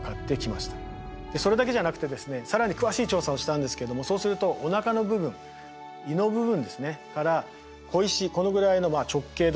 それだけじゃなくてですね更に詳しい調査をしたんですけどもそうするとおなかの部分胃の部分から小石このぐらいの直径どうですかね